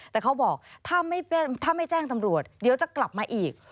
แต่เขาบอกถ้าไม่แจ้งตำรวจเดี๋ยวจะกลับมาอีก